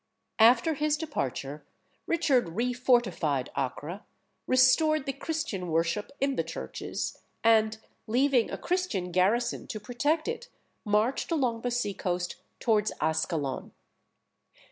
After his departure, Richard re fortified Acre, restored the Christian worship in the churches, and, leaving a Christian garrison to protect it, marched along the sea coast towards Ascalon.